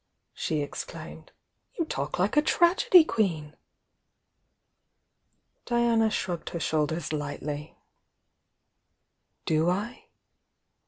she exclaimed. "You talk like a tragedy queen!" Diana shrugged her shoulders lightly. "Do I?"